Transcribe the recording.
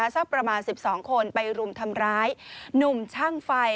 สักประมาณ๑๒คนไปรุมทำร้ายหนุ่มช่างไฟ